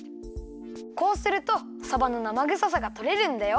こうするとさばのなまぐささがとれるんだよ。